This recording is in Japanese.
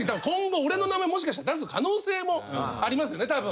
今後俺の名前もしかしたら出す可能性もありますよね。